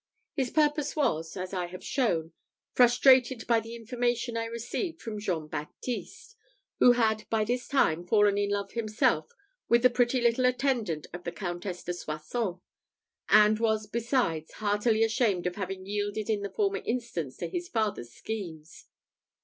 His purpose was, as I have shown, frustrated by the information I received from Jean Baptiste, who had by this time fallen in love himself with the pretty little attendant of the Countess de Soissons, and was besides heartily ashamed of having yielded in the former instance to his father's schemes.